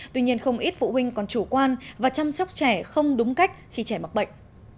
tuy nhiên không ít phụ huynh còn chủ quan và chăm sóc trẻ không đúng cách khi trẻ mắc bệnh